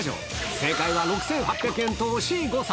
正解は６８００円と惜しい誤差。